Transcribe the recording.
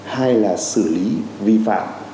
hai là xử lý vi phạm